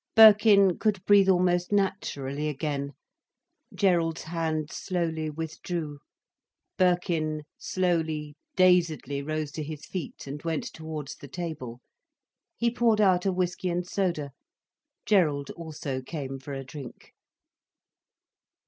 Birkin could breathe almost naturally again. Gerald's hand slowly withdrew, Birkin slowly, dazedly rose to his feet and went towards the table. He poured out a whiskey and soda. Gerald also came for a drink.